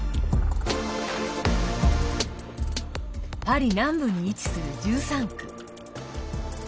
パリ南部に位置する１３区。